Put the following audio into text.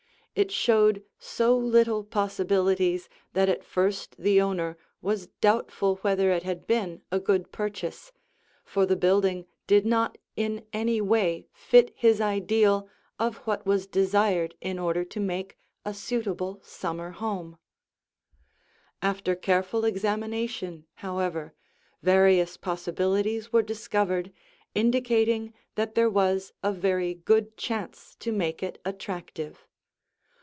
It showed so little possibilities that at first the owner was doubtful whether it had been a good purchase, for the building did not in any way fit his ideal of what was desired in order to make a suitable summer home. [Illustration: As Remodeled] After careful examination, however, various possibilities were discovered indicating that there was a very good chance to make it attractive.